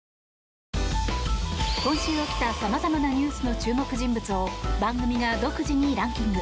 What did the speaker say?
今週起きた様々なニュースの注目人物を番組が独自にランキング。